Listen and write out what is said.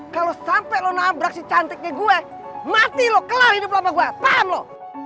kalau sampai lo nabrak sih cantiknya gue mati lo kelah hidup apa gue paham loh